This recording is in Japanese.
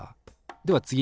では次！